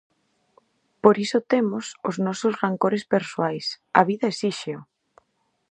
Por iso temos os nosos rancores persoais; a vida esíxeo!